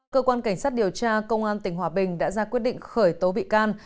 cơ quan cảnh sát điều tra công an tỉnh hòa bình đã ra quyết định khởi tố bị can